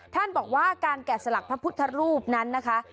ท่านบอกว่าการแกะสลักพระพุทธรูปนั้นนะคะ